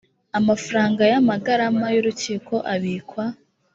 amafaranga y amagarama y urukiko abikwa